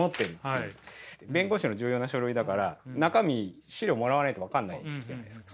弁護士の重要な書類だから中身資料もらわないと分からないじゃないですか。